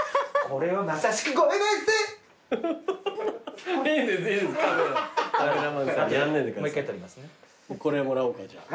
これもらおうかじゃあ。